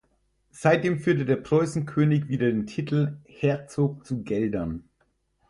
Seitdem führte der Preußenkönig wieder den Titel "Herzog zu Geldern".